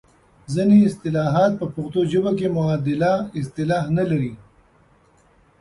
ځینې اصطلاحات په پښتو ژبه کې معادله اصطلاح نه لري.